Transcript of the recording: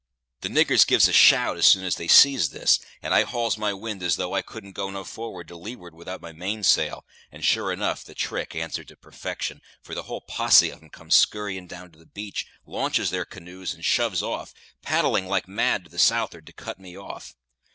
The niggers gives a shout as soon as they sees this, and I hauls my wind as though I couldn't go no further to leeward without my mainsail; and, sure enough, the trick answered to perfection, for the whole posse of 'em comes scurryin' down to the beach, launches their canoes, and shoves off, paddling like mad to the south'ard, to cut me off.